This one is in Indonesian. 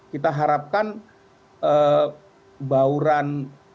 kita harapkan bauran